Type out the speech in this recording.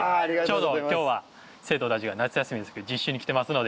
ちょうど今日は生徒たちが夏休みですけど実習に来てますので。